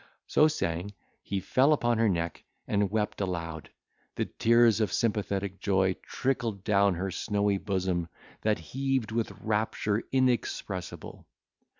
So saying, he fell upon her neck, and wept aloud. The tears of sympathetic joy trickled down her snowy bosom, that heaved with rapture inexpressible.